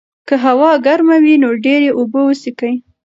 که هوا ګرمه وي، نو ډېرې اوبه وڅښئ.